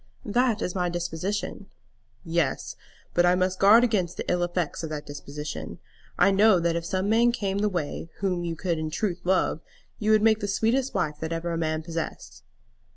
"That is my disposition." "Yes; but I must guard against the ill effects of that disposition. I know that if some man came the way, whom you could in truth love, you would make the sweetest wife that ever a man possessed."